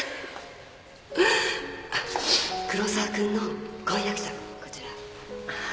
黒沢君の婚約者こちら。